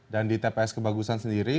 dan di tps kebagusan sendiri